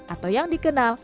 atau yang dikenal